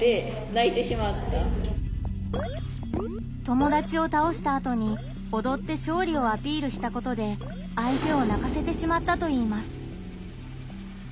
友達を倒したあとにおどって勝利をアピールしたことで相手を泣かせてしまったといいます。